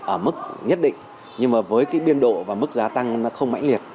ở mức nhất định nhưng mà với cái biên độ và mức giá tăng nó không mãnh liệt